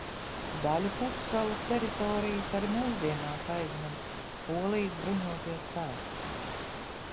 Daļu pussalas teritorijas arī mūsdienās aizņem Polijas bruņotie spēki.